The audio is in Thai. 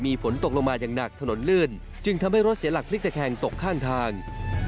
มีฝนตกลงมาอย่างหนักถนนลื่นจึงทำให้รถเสียหลักพลิกตะแคงตกข้างทาง